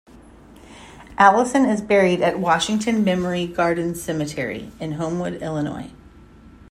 Allison is buried at Washington Memory Gardens Cemetery in Homewood, Illinois.